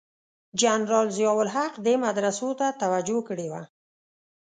جنرال ضیأ الحق دې مدرسو ته توجه کړې وه.